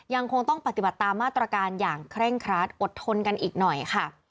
ยังคงต้องปฏิบัติตามมาตรการอย่างเคร่งครัดอดทนกันอีกหน่อยค่ะ